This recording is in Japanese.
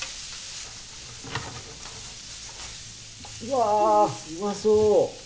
うわぁうまそう！